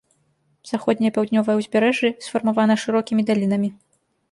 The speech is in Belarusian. Заходняе і паўднёвае ўзбярэжжы сфармавана шырокімі далінамі.